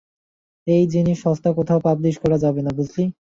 এই জিনিস সস্তা কোথাও পাবলিশ করা যাবে না, বুঝলি?